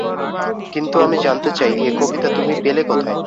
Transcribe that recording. কিন্তু আমি জানতে চাই, এ কবিতা তুমি পেলে কোথায়।